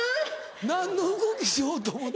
何の動きしようと思うた？